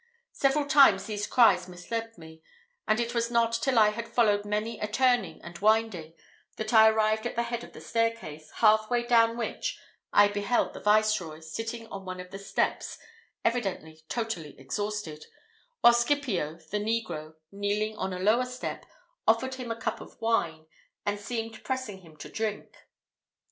Several times these cries misled me; and it was not till I had followed many a turning and winding, that I arrived at the head of a staircase, half way down which I beheld the Viceroy, sitting on one of the steps, evidently totally exhausted; while Scipio, the negro, kneeling on a lower step, offered him a cup of wine, and seemed pressing him to drink.